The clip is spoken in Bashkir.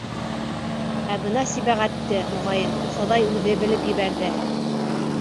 Ә бына Сибәғәтте, моғайын, хоҙай үҙе белеп ебәрҙе!